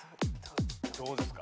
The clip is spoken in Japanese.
どうですか？